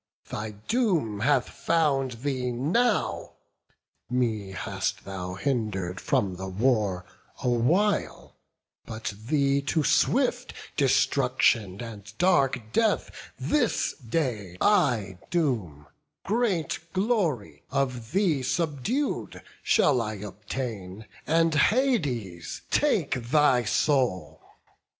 thy doom hath found thee now; Me hast thou hinder'd from the war awhile; But thee to swift destruction and dark death, This day I doom: great glory, of thee subdued, Shall I obtain, and Hades take thy soul."